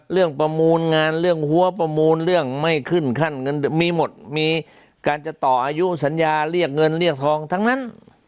ประมูลงานเรื่องหัวประมูลเรื่องไม่ขึ้นขั้นเงินมีหมดมีการจะต่ออายุสัญญาเรียกเงินเรียกทองทั้งนั้น